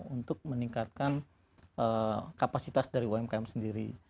untuk meningkatkan kapasitas dari umkm sendiri